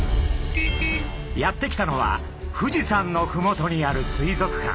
やって来たのは富士山のふもとにある水族館。